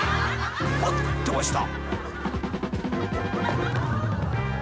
待ってました！